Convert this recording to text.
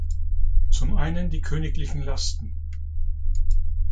Zum einen die königlichen Lasten.